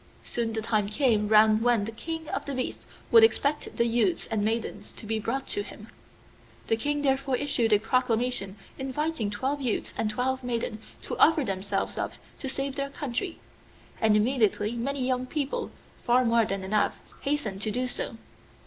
Soon the time came round when the king of the beasts would expect the youths and maidens to be brought to him. The King therefore issued a proclamation inviting twelve youths and twelve maidens to offer themselves up to save their country; and immediately many young people, far more than enough, hastened to do so.